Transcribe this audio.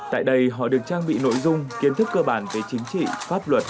tại đây họ được trang bị nội dung kiến thức cơ bản về chính trị pháp luật